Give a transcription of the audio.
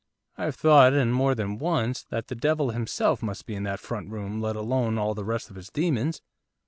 I have thought, and more than once, that the devil himself must be in that front room, let alone all the rest of his demons.